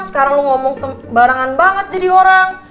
sekarang lo ngomong sembarangan banget jadi orang